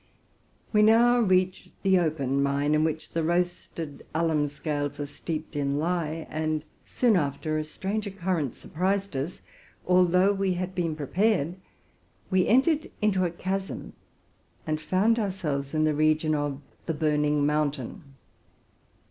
We now reached the open mine, in which the roasted alum scales are steeped in ley ; and, RELATING TO MY LIFE. 29 soon after, a strange occurrence surprised us, although we had been prepared. We entered into a chasm, and found owrselves in the region of the Burning Mountain.